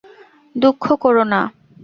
দুঃখ করো না।